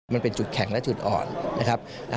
มันเป็นจุดแข็งและจุดอ่อนนะครับ